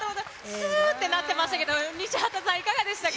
すーってなってましたけど、西畑さん、いかがでしたか。